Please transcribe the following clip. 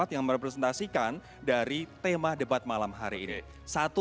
satu dua tiga empat yang merepresentasikan dari tema debat malam hari ini